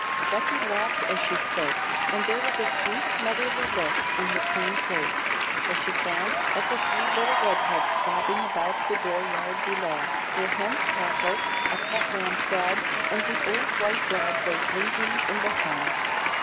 Becky laughed as she spoke, and there was a sweet motherly look in her plain face, as she glanced at the three little red heads bobbing about the door yard below, where hens cackled, a pet lamb fed, and the old white dog lay blinking in the sun.